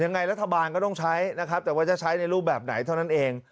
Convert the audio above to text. ยังไงรัฐบาลก็ต้องใช้นะครับแต่ว่าจะใช้ในรูปแบบไหนเท่านั้นเอง